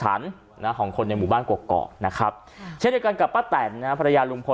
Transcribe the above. หังนะของคนในหมู่บ้านกลกนะครับเช่นเดียวกันกับป้าแตนนะฮะ